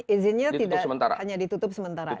izinnya tidak hanya ditutup sementara